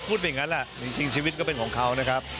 อย่างนั้นแหละจริงชีวิตก็เป็นของเขานะครับ